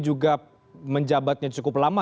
juga menjabatnya cukup lama